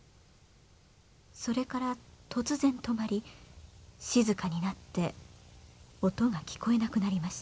それから突然止まり静かになって音が聞こえなくなりました。